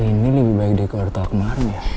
ini lebih baik dari keurtaan kemarin ya